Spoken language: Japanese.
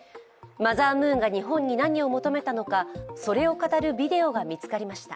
マザームーンが日本に何を求めたのかそれを語るビデオが見つかりました。